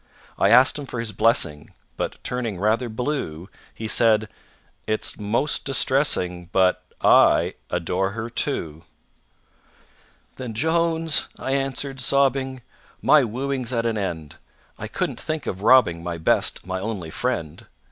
I asked him for his blessing, But, turning rather blue, He said: "It's most distressing, But I adore her, too." "Then, JONES," I answered, sobbing, "My wooing's at an end, I couldn't think of robbing My best, my only friend.